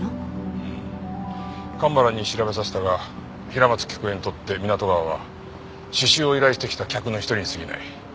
うん蒲原に調べさせたが平松喜久恵にとって湊川は刺繍を依頼してきた客の一人に過ぎない。